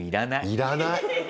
要らない。